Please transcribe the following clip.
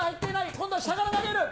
今度は下から投げる。